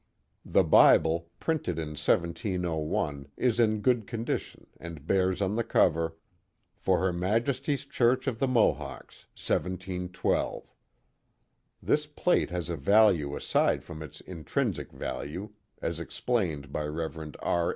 The Bible, printed in 1701, is in good con dition and bears on the cover, For Her Majesty's Church of the Mohawks, 1712.'* This plate has a value aside from its intrinsic value, as ex plained by Rev. R.